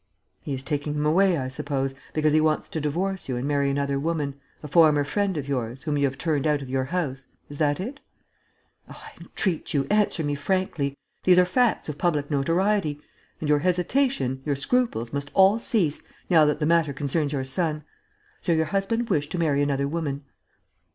"He is taking him away, I suppose, because he wants to divorce you and marry another woman, a former friend of yours, whom you have turned out of your house. Is that it? Oh, I entreat you, answer me frankly! These are facts of public notoriety; and your hesitation, your scruples, must all cease, now that the matter concerns your son. So your husband wished to marry another woman?